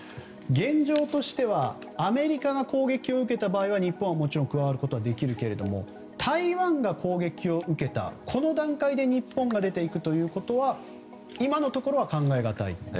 現状としてはアメリカが攻撃を受けた場合は日本はもちろん加わることはできるが台湾が攻撃を受けた段階で日本が出て行くということは今のところは考え難いと。